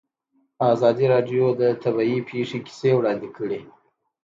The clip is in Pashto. ازادي راډیو د طبیعي پېښې کیسې وړاندې کړي.